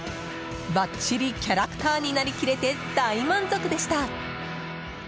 ばっちり、キャラクターになりきれて大満足でした！